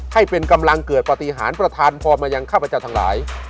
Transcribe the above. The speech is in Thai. ให้เป็นกำลังเกิดปฏิหารประธานพรมายังข้าพเจ้าทั้งหลาย